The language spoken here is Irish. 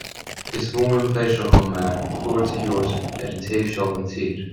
Is mór an pléisiúir dom é cuairt a thabhairt ar an taobh seo den tír